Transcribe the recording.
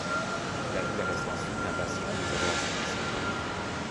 La ville reste ensuite un bastion du zoroastrisme.